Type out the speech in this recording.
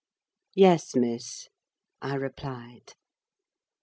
"Yes, Miss," I replied.